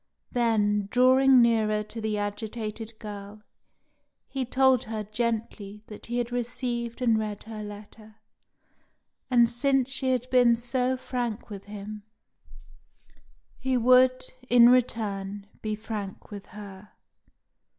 Then, drawing nearer to the agitated girl, he told her gently that he had received and read her letter, and since she had been so frank with him, he would, in return, be frank with her.